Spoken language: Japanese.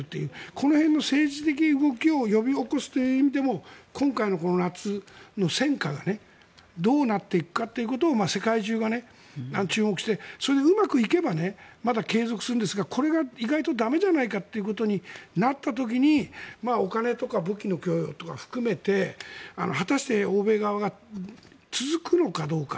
この辺の政治的動きを呼び起こすという意味でも今回の夏の戦果がどうなっていくかということを世界中が注目してそれでうまくいけばまだ継続するんですがこれが意外と駄目じゃないかとなった時にお金とか武器の供与とか含めて果たして欧米側が続くのかどうか。